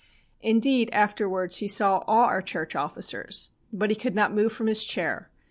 Indeed, afterwards, he saw all our church officers. But he could not move from his chair.